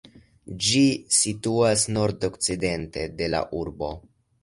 Ĝi situas nordokcidente de la urbo.